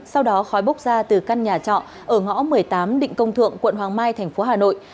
sau đó khói bốc ra từ căn nhà trọ ở ngõ một mươi tám định công thượng quận hoàng mai thành phố hà nội